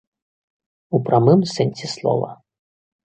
У прамым сэнсе слова.